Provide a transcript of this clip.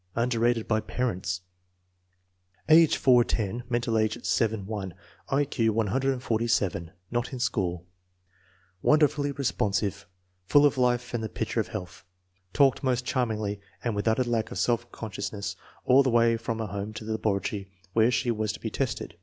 Underrated by parents. Age 4 10; mental age 7 1; I Q 147; not in school. Wonderfully responsive. Pull of life and the picture of health. Talked most charmingly and with utter lack of self consciousness all the way from her home to the laboratory where she was to be tested.